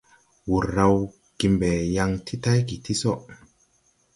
Wūr raw ge mbe yaŋ ti tayge tii so.